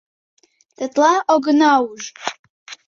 — Тетла огына уж...